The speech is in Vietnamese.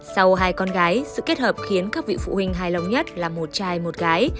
sau hai con gái sự kết hợp khiến các vị phụ huynh hài lòng nhất là một trai một gái